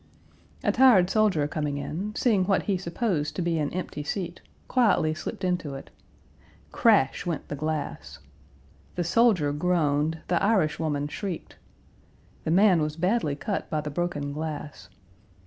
A tired soldier coming in, seeing what he supposed to be an empty seat, quietly slipped into it. Crash went the glass. The soldier groaned, the Irish woman shrieked. The man was badly cut by the broken glass.